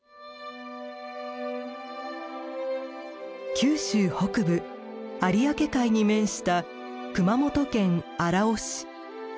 九州北部有明海に面した熊本県荒尾市。